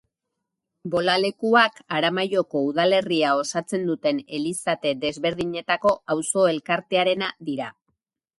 Bolalekuak, Aramaioko udalerria osatzen duten elizate desberdinetako auzo-elkartearena dira.